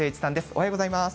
おはようございます。